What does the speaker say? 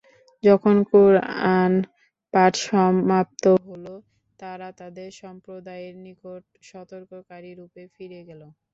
যখন কুরআন পাঠ সমাপ্ত হলো, তারা তাদের সম্প্রদায়ের নিকট সতর্ককারীরূপে ফিরে গেল।